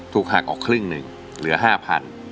ถูกหักออกครึ่งหนึ่งเหลือ๕๐๐บาท